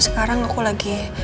sekarang aku lagi